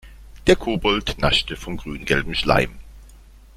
Der Kobold naschte vom grüngelben Schleim.